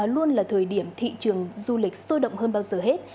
luôn là thời điểm thị trường du lịch sôi động hơn bao giờ hết